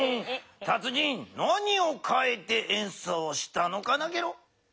たつ人何をかえてえんそうしたのかなゲロ？